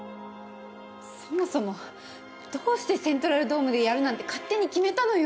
そもそもどうしてセントラルドームでやるなんて勝手に決めたのよ？